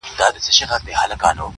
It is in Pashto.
o هغه سړی کلونه پس دی، راوتلی ښار ته.